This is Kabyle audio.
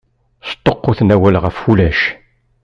Sṭuqquten awal ɣef ulac!